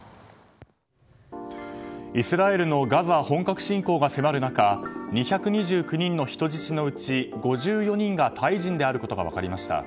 イスラエルのガザ本格侵攻が迫る中２２９人の人質のうち５４人がタイ人であることが分かりました。